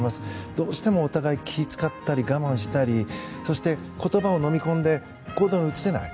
どうしてもお互い気を使ったり我慢したりそして、言葉をのみ込んで行動に移せない。